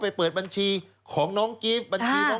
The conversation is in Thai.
ไปเปิดบัญชีของน้องกิฟต์